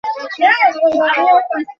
তাদের চলায় যথেষ্ট গতি ছিল।